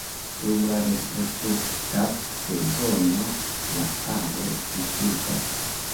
Dum la reprodukta sezono la aro disiĝas.